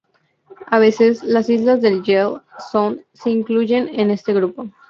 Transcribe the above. A veces, las islas del Yell Sound se incluyen en este grupo.